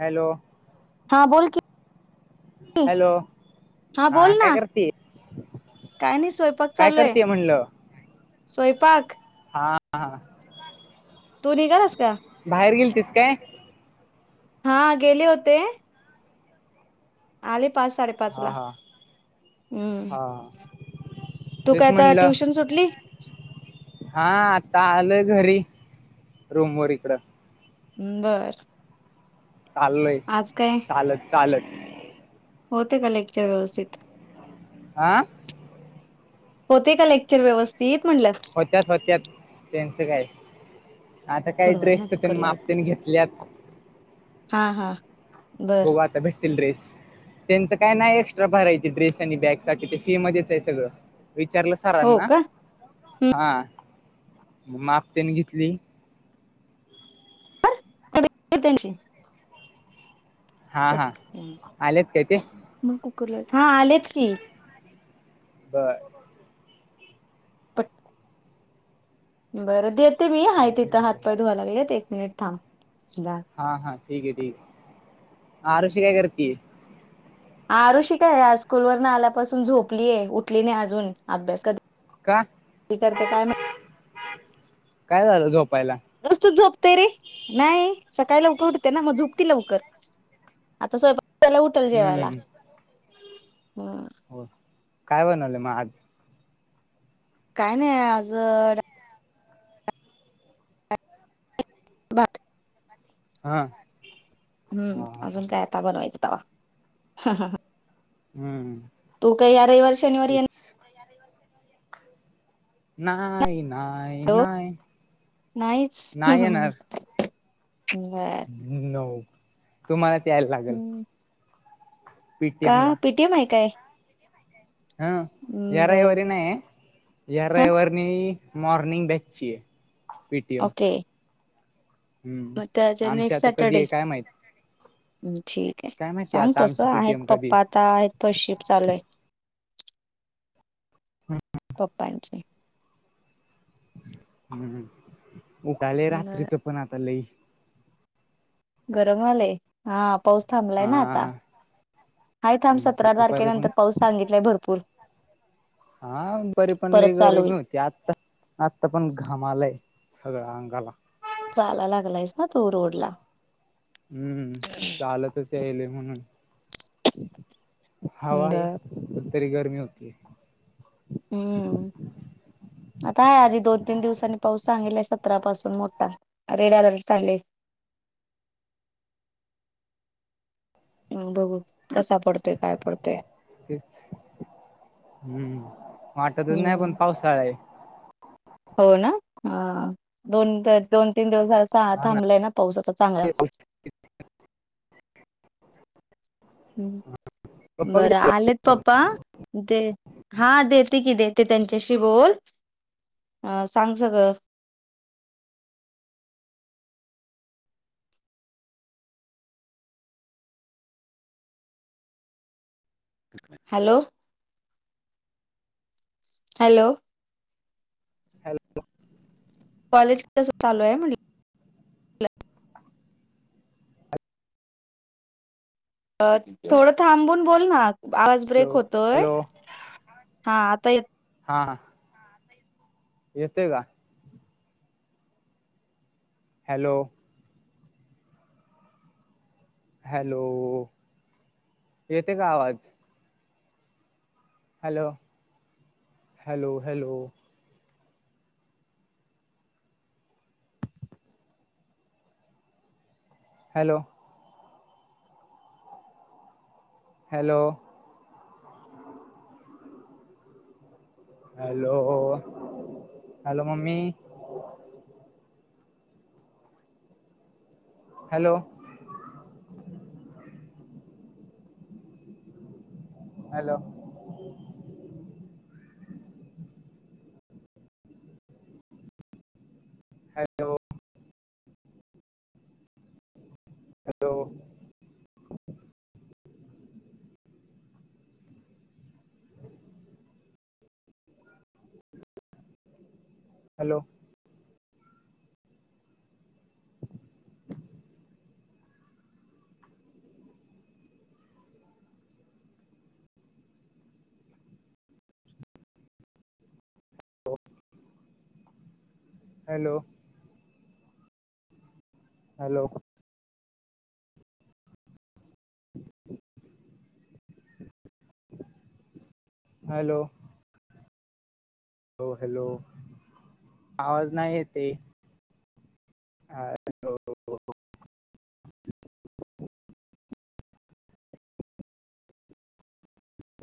Hello हां बोल की, हॅलो, बोल हा काय ना करते? काय नाही स्वयंपाक काय चालू हे करतेय म्हणलं स्वयंपाक. हा हा. तू निघालास का? बाहेर गेलतीस काय? हा गेले होते, आले पाच हा साडेपाचला हा हम्म. हा तू तेच काय आता, म्हणलं ट्युशन सुटली? हा आता आलोय घरी रूमवर इकडं, बरं. चाललोय चालत चालत. होते का लेक्चर व्यवस्थित? आ.. होते का लेक्चर व्यवस्थित म्हणलं. थोडं होत्यात, होत्यात त्यांचं काय आता काय वेळ ना ड्रेसच कुकर पण माप लावते तेन घेतल्यात. हा हा! ! बघू आता भेटतील ड्रेस. त्यांचं काय नाही एक्स्ट्रा भरायची ड्रेस आणि बॅग साठी ते फि मध्येच आहे सगळं विचारलं. हो सरांना का हा मग माप तेन घेतली. त्यांची हा पट हा आलेत काय ते, मग कुकर लावते हा आलेच की. बर! ! [inaudible] बरं देते मी आहे तिथं हात पाय धुवायला लागलेत एक मिनिट थांब आ हा हा ठीक आहे ठीक आहे आरुषी काय करतीये? आरूषी काय आज स्कूल वर न आल्यापासून झोपलीय उठली नाही अजून अभ्यास का काय करते काय माहित. काय झालं झोपायला. नुसतच झोपतोय रे नाही सकाळी लवकर उठते ना मग झोपती लवकर आता स्वयंपाक केला आता उठल जेवायला हम्म हम्म होय काय बनवलय मग आज. काय नाही आज अ भात. हा! हम्म हा हा अजून हा. काय आता बनवायचं तवा. हम्म! तू काय या रविवार शनिवारी येणार तेच [unintelligible] नाईन, होॅ नाहीच. नाही येणार नो तुम्हालाच यायला लागेल. का पीटीएम ला पेटीएम आहेय काय? हम या रविवारी बर नाहीये. या हा रविवारनी मॉर्निंग बॅचीय प ओके. म अ आमची नेक्स्ट आता कधी सॅटरडे आहे काय माहित ठीक. काय माहिती सांग आता तस आमची आहेत पीटीएम कधी पप्पा आहे आता आहेत पशिप चालूय. हम्! पप्पांचे. हम् उकाले न रात्रीच पण आता लई. गरम व्हलय? हा पाऊस थांबलाय हा ना आता हा थांब सतरा दुपारी पण तारखेनंतर पाऊस सांगितलंय भरपूर. हा बरीे पण लय परत चालू गरमी होईल होती आता. आत्ता पण घाम आलय सगळ्या अंगाला. चालायला लागलायस ना तू रोड ला. हम्म चालतच यायल म्हणून हवा आहे. बर तरी गरमी होतीय. हम्म. आता आहे आधी दोन तीन दिवसांनी पाऊस सांगितलाय सतरापासून मोठा. अरेडारड सांडले. आन् बघू कसा पडतोय? काय पडतोय? तेच. हम्म. वाटतच नाही पण हम्म पावसाळाय. हो ना? हा. दोन तरी दोन -तीन दिवस झा च थांबलाय ना पाऊस आता चांगलाच. हम्म पप्पा कधी बरं आलेत. येतात? पप्पा दे हा देते की देते त्यांच्याशी बोल. आ सांग सगळ. हॅलो. हॅलो. हॅलो. कॉलेज कसं चालू आहे म्हणल? अ थोडं थांबून बोल ना? आवाज ब्रेक हॅलो होतोय. हॅलो हा आता येत हा. येतोय का? हॅलो. हॅलो. येेतय का आवाज? Hello. Hello -hello. Hello. Hello. Hello. Hello mummy. Hello. Hello. Hello. Hello. Hello. Hello. Hello. Hello. Hello -hello. आवाज नाही येतय. [unintelligible]